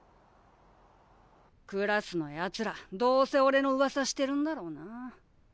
クラスのやつらどうせおれのうわさしてるんだろうな。